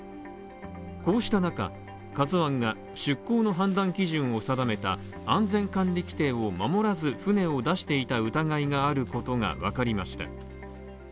こうした中、「ＫＡＺＵ１」が出航の判断基準を定めた安全管理規程を守らず、船を出していた疑いがあることがわかりました。